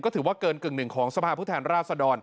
ก็ถือว่าเกินกึ่งหนึ่งของสภาพฤทธิ์ธราชดร